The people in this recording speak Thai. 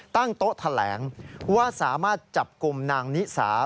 ตั้งโต๊ะแถลงว่าสามารถจับกลุ่มนางนิสา